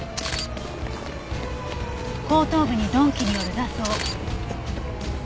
後頭部に鈍器による挫創。